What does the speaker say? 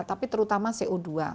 tapi terutama co dua